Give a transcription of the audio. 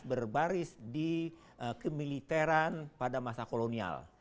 untuk berlatih baris baris di kemiliteran pada masa kolonial